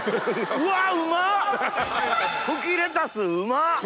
うわっ